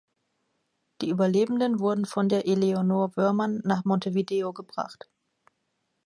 Die Überlebenden wurden von der "Eleonore Woermann" nach Montevideo gebracht.